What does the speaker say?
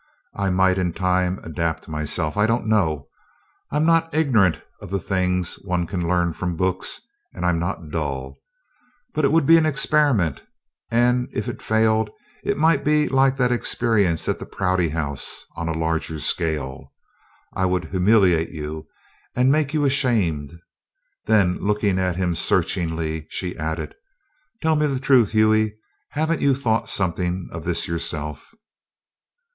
I might, in time, adapt myself I don't know. I'm not ignorant of the things one can learn from books, and I'm not dull, but it would be an experiment, and if it failed it might be like that experience at the Prouty House on a larger scale. I would humiliate you and make you ashamed." Then, looking at him searchingly, she added: "Tell me the truth, Hughie haven't you thought something of this yourself?"